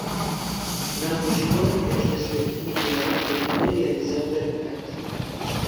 ناوبژیوان پێش دهستپێکردنی یاریش دهتوانێت یاریزان دهربکات